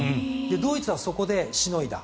ドイツはそこでしのいだ。